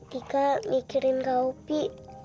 tika mikirin kak opi